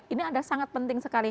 ini ada sangat penting sekali